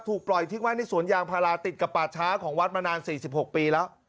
ถูกปล่อยทิ้งไว้ในสวนยางพาราติดกับป่าช้าของวัดมานาน๔๖ปีแล้ว